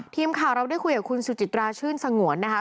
ทีมข่าวเราได้คุยกับคุณสุจิตราชื่นสงวนนะคะ